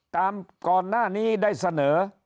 ก่อนหน้านี้ได้เสนอ